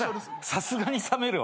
さすがに冷めるわ。